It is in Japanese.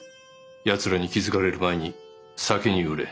ヤツらに気付かれる前に先に売れ。